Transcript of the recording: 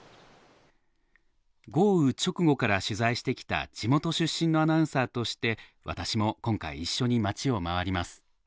豪雨直後から取材してきた地元出身のアナウンサーとして私も今回一緒に街を回ります。